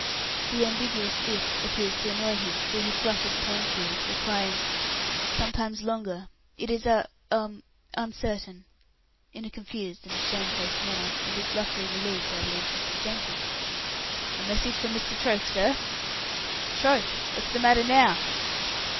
The ambiguous "it" appears to annoy him, for he flushes painfully, replying, "Sometimes longer. It is, a um uncertain," in a confused and shame faced manner, and is luckily relieved by the entry of Jenkins. "A message from Mr. Troke, sir." "Troke! What's the matter now?"